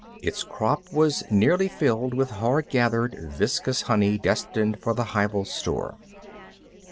Its crop was nearly filled with hard gathered, viscous honey destined for the hival store.